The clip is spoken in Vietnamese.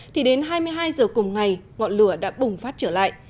thì đến hai mươi hai h cùng ngày ngọn lửa đã bùng phát trở lại